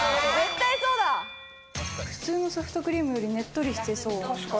普通のソフトクリームよりねっとりしてそう。